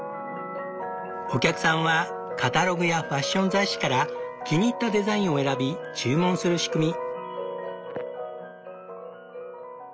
お客さんはカタログやファッション雑誌から気に入ったデザインを選び注文する仕組み。